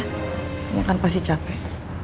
kamu akan pasti capek